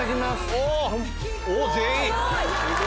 おっ全員。